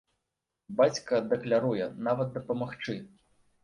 Бацька дакляруе нават дапамагчы!